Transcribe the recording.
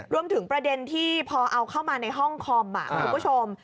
รวมถึงประเด็นที่พอเอาเข้ามาในห้องคอมคุณผู้ชม